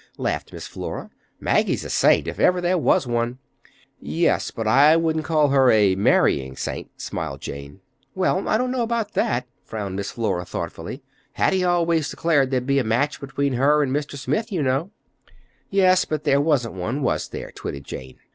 laughed Miss Flora. "Maggie's a saint—if ever there was one." "Yes, but I shouldn't call her a marrying saint," smiled Jane. "Well, I don't know about that," frowned Miss Flora thoughtfully. "Hattie always declared there'd be a match between her and Mr. Smith, you know." "Yes. But there wasn't one, was there?" twitted Jane.